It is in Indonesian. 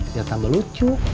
biar tambah lucu